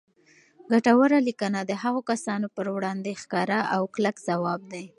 ګټوره لیکنه د هغو کسانو پر وړاندې ښکاره او کلک ځواب دی